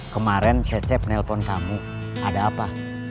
kemarin cecep nelpon kamu ada apa